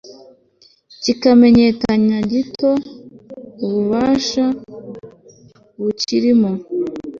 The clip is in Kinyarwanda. kikamenyekanya gityo ububasha bukirimo